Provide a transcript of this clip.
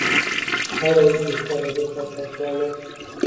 Care este starea de fapt actuală?